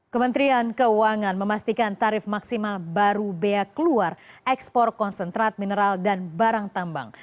kementerian keuangan memastikan tarif maksimal baru bea keluar ekspor konsentrat mineral dan barang tambang